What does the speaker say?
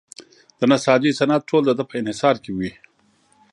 د نساجۍ صنعت ټول د ده په انحصار کې وي.